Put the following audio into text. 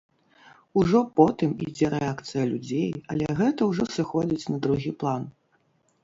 Ужо потым ідзе рэакцыя людзей, але гэта ўжо сыходзіць на другі план.